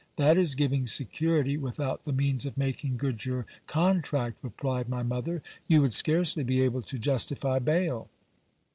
That is giving security, without the means of making good your contract, replied my mother : you would scarcely be able to justify bail.